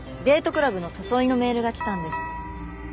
クラブの誘いのメールが来たんです。